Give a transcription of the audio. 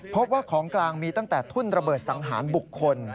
พบว่าของกลางมีตั้งแต่ทุ่นระเบิดสังหารบุคคล